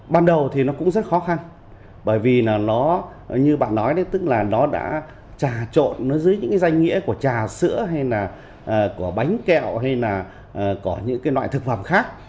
ban đầu thì nó cũng rất khó khăn bởi vì nó như bạn nói tức là nó đã trà trộn dưới những danh nghĩa của trà sữa hay là của bánh kẹo hay là có những loại thực phẩm khác